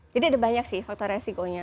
jadi ada banyak sih faktor resikonya